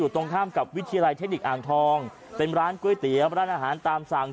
ตรงข้ามกับวิทยาลัยเทคนิคอ่างทองเป็นร้านก๋วยเตี๋ยวร้านอาหารตามสั่ง